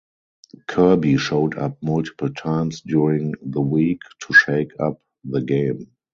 Kirby showed up multiple times during the week to shake up the game.